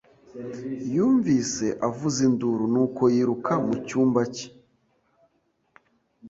Yumvise avuza induru, nuko yiruka mu cyumba cye.